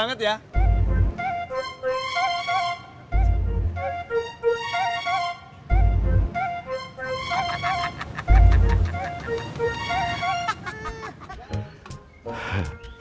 jakarta gerah banget ya